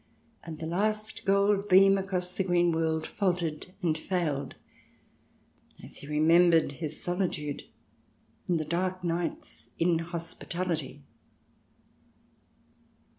" And the last gold beam across the green world Faltered and failed, as he Remembered his solitude and the dark night's Inhospitality."